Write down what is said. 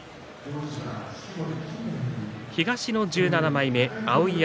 東の１７枚目碧山